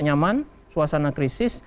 nyaman suasana krisis